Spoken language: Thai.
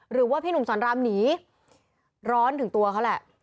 หรือว่าพี่หนุ่มสอนรามหนีร้อนถึงตัวเขาแหละ